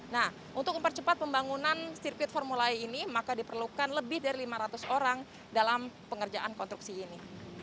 nah untuk mempercepat pembangunan sirkuit formula e ini maka diperlukan lebih dari lima ratus orang dalam pengerjaan konstruksi ini